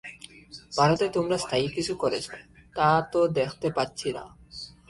ভারতে তোমরা স্থায়ী কিছু করেছ, তা তো দেখতে পাচ্ছি না।